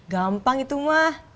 gampang itu mah